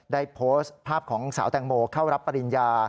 ได้โพสต์ภาพของสาวแตงโมเข้ารับปริญญา